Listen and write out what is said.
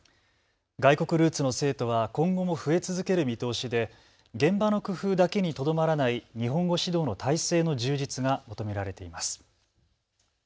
外国ルーツの生徒は今後も増え続ける見通しで現場の工夫だけにとどまらない日本語指導の体制の充実が求められています。